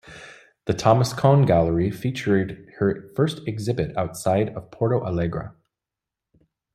The Thomas Cohn gallery featured her first exhibit outside of Porto Alegre.